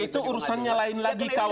itu urusannya lain lagi